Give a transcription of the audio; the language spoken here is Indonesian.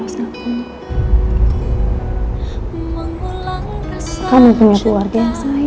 kamu punya keluarga yang sayang banget sama kamu